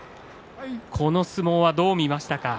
この相撲どう見ましたか。